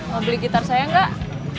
mau beli gitar saya enggak